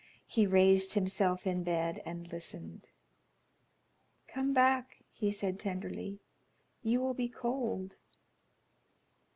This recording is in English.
He raised himself in bed and listened. "Come back," he said, tenderly. "You will be cold."